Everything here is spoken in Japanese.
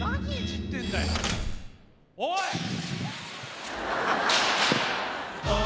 おい！